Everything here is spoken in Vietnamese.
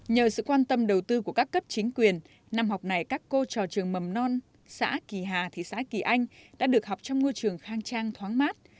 nhờ sự quan tâm đầu tư của các cấp chính quyền năm học này các cô trò trường mầm non xã kỳ hà thị xã kỳ anh đã được học trong ngôi trường khang trang thoáng mát